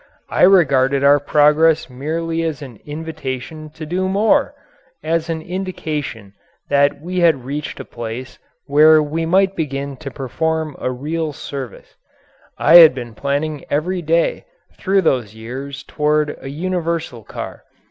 I regarded our progress merely as an invitation to do more as an indication that we had reached a place where we might begin to perform a real service. I had been planning every day through these years toward a universal car.